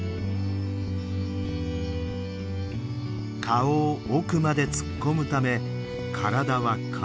顔を奥まで突っ込むため体は花粉まみれ。